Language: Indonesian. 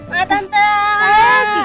wah tante apa kabar